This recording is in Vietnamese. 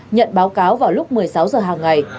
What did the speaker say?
nhận báo cáo vào lúc một mươi sáu h hàng ngày